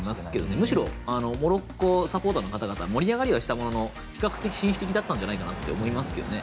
むしろ、モロッコサポーターは盛り上がりはしたものの比較的、紳士的だったのかなと思いますね。